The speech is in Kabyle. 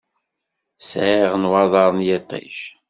Sɛiɣ nnwaḍeṛ n yiṭij.